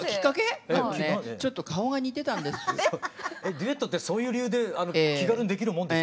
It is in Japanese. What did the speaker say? デュエットってそういう理由で気軽にできるもんですか？